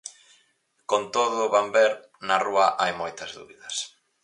Con todo, van ver, na rúa hai moitas dúbidas.